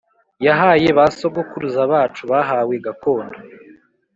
yahaye ba sogokuruza bacu bahawe gakondo